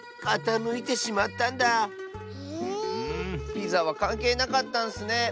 ピザはかんけいなかったんスね。